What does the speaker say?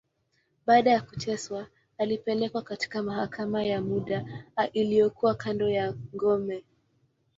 Baada ya kuteswa, alipelekwa katika mahakama ya muda, iliyokuwa kando ya ngome.